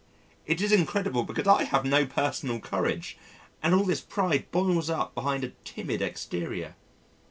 It is incredible because I have no personal courage and all this pride boils up behind a timid exterior.